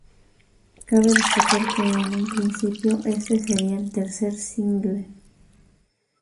Cabe destacar que en un principio este sería el tercer single.